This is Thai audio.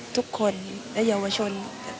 ทุกคนและเยาวชน